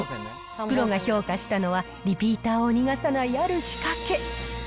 プロが評価したのは、リピーターを逃がさないある仕掛け。